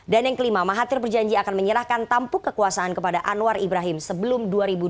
dan yang kelima mahathir berjanji akan menyerahkan tampuk kekuasaan kepada anwar ibrahim sebelum dua ribu dua puluh tiga